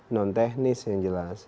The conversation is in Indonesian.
non teknis yang jelas